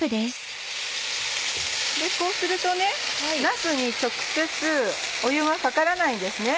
こうするとなすに直接湯がかからないんですね。